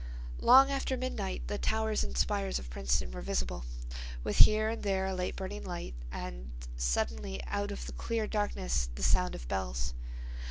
Long after midnight the towers and spires of Princeton were visible, with here and there a late burning light—and suddenly out of the clear darkness the sound of bells.